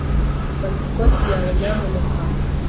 Manika ikoti yawe, nyamuneka.